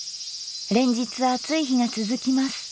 連日暑い日が続きます。